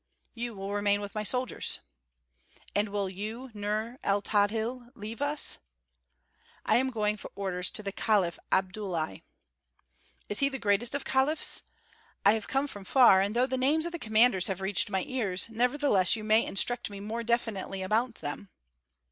"You will remain with my soldiers." "And will you, Nur el Tadhil, leave us?" "I am going for orders to the caliph Abdullahi." "Is he the greatest of caliphs? I come from far and though the names of the commanders have reached my ears, nevertheless you may instruct me more definitely about them."